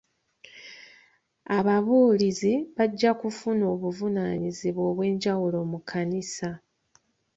Ababuulizi bajja kufuna obuvunaanyizibwa obw'ejawulo mu kkanisa.